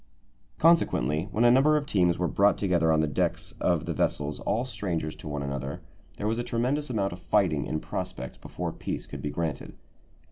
Consequently, when a number of teams were brought together on the decks of the vessels, all strangers to one another, there was a tremendous amount of fighting in prospect before peace could be granted.